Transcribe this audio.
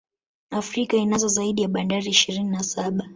Afrika inazo zaidi ya Bandari ishirini na saba